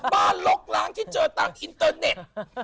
บ้านหลงหลางที่เจอต่างอินเตอร์เน็ต